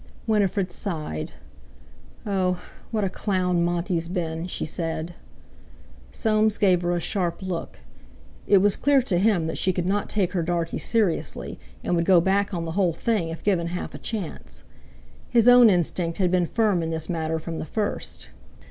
Winifred sighed. "Oh! What a clown Monty's been!" she said. Soames gave her a sharp look. It was clear to him that she could not take her Dartie seriously, and would go back on the whole thing if given half a chance. His own instinct had been firm in this matter from the first.